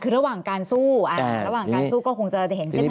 คือระหว่างการสู้ระหว่างการสู้ก็คงจะเห็นเส้นทาง